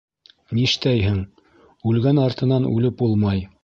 Ништәйһең, үлгән артынан үлеп булмай.